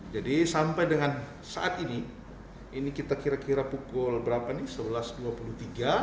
jadi sampai dengan saat ini ini kita kira kira pukul berapa nih sebelas dua puluh tiga